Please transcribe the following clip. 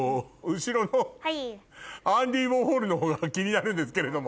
後ろのアンディ・ウォーホルの方が気になるんですけれども。